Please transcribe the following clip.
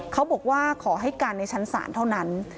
เขาบอกว่าขอให้กันในชั้นศาลเท่านั้น